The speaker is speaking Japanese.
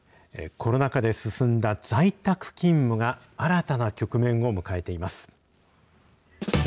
コロナ禍で進んだ在宅勤務が、新たな局面を迎えています。